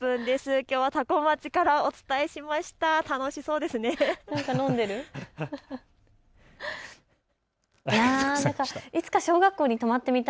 きょうは多古町からお伝えしました。